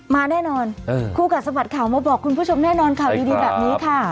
มาแน่นอนคู่กัดสะบัดข่าวมาบอกคุณผู้ชมแน่นอนข่าวดีแบบนี้ค่ะ